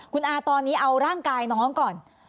คุณอาตอนนี้เอาร่างกายน้องก่อน